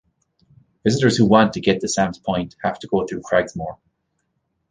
Visitors who want to get to Sam's Point have to go through Cragsmoor.